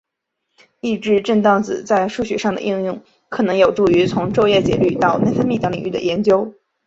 抑制震荡子在数学上的应用可能有助于从昼夜节律到内分泌等领域的研究。